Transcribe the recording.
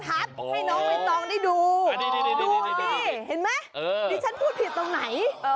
ให้น้องใบตองได้ดูดูสิเห็นไหมดิฉันพูดผิดตรงไหน